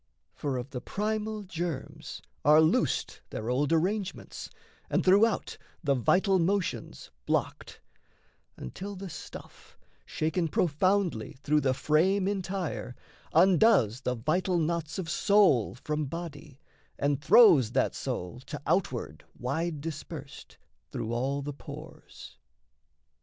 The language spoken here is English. For of the primal germs Are loosed their old arrangements, and, throughout, The vital motions blocked, until the stuff, Shaken profoundly through the frame entire, Undoes the vital knots of soul from body And throws that soul, to outward wide dispersed, Through all the pores.